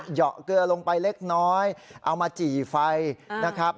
เหยาะเกลือลงไปเล็กน้อยเอามาจี่ไฟนะครับ